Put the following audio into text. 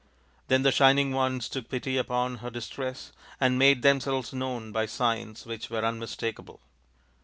Then the Shining Ones took pity upon her dis tress and made themselves known by signs which were unmistakable.